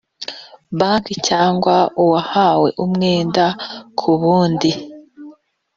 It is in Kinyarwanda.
banki cyangwa uwahawe umwenda ku bundi